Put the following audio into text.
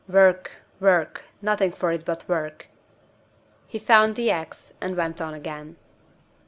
"Work, work! Nothing for it but work." He found the ax, and went on again.